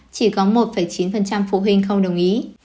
chỉ có một chín phụ huynh không đồng ý